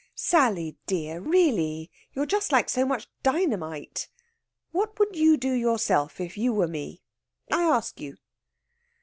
"Sally dear! Really you're just like so much dynamite. What would you do yourself if you were me? I ask you."